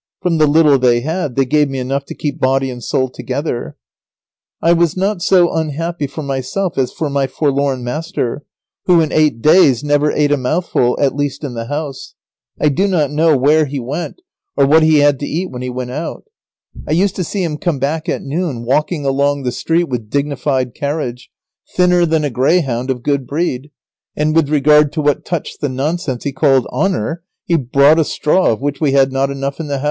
From the little they had, they gave me enough to keep body and soul together. I was not so unhappy for myself as for my forlorn master, who in eight days never ate a mouthful, at least in the house. I do not know where he went or what he had to eat when he went out. I used to see him come back at noon, walking along the street with dignified carriage, thinner than a greyhound of good breed, and with regard to what touched the nonsense he called honour, he brought a straw of which we had not enough in the house.